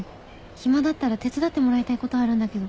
暇だったら手伝ってもらいたいことあるんだけど。